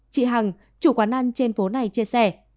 chị hằng chủ quán ăn trên phố này chia sẻ